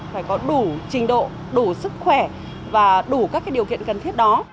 phải có đủ trình độ đủ sức khỏe và đủ các điều kiện cần thiết đó